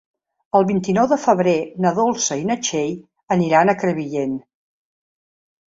El vint-i-nou de febrer na Dolça i na Txell aniran a Crevillent.